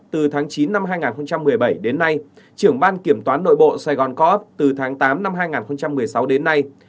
từ tháng tám năm hai nghìn một mươi sáu đến nay